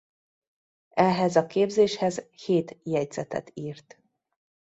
Ehhez a képzéshez hét jegyzetet írt.